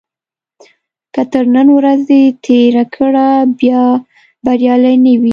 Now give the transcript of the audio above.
که تر نن ورځې تېره کړه بیا بریالی نه وي.